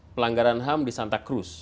pelanggaran ham di santa krus